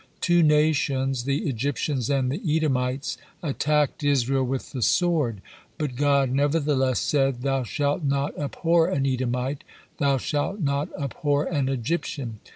Two nations, the Egyptians and the Edomites, attacked Israel with the sword, but God nevertheless said, " Thou shalt not abhor an Edomite; thou shalt not abhor an Egyptian."